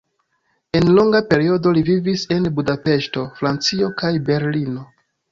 En longa periodo li vivis en Budapeŝto, Francio kaj Berlino.